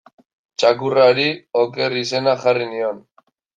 Txakurrari Oker izena jarri nion.